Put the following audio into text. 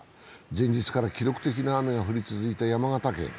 前日から記録的な雨が降り続いた山形県。